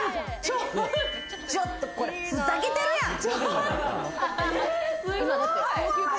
ちょっとこれ、ふざけてるやん！